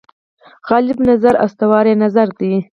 غالب نظر اسطوره یي نظر دی.